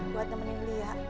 buat nemenin lia